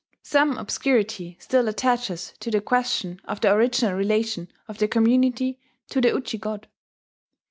Some obscurity still attaches to the question of the original relation of the community to the Uji god.